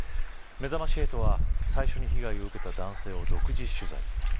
めざまし８は最初に被害を受けた男性を独自取材。